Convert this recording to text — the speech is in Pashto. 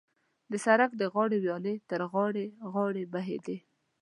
د سړک د غاړې ویالې تر غاړې غاړې بهېدې.